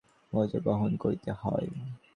প্রত্যেককেই নিজ নিজ দুঃখের বোঝা বহন করিতে হয়।